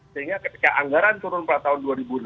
sehingga ketika anggaran turun pada tahun dua ribu delapan belas